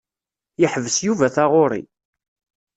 Yeḥbes Yuba taɣuṛi.